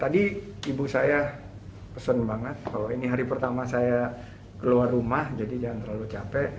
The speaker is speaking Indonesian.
tadi ibu saya pesen banget kalau ini hari pertama saya keluar rumah jadi jangan terlalu capek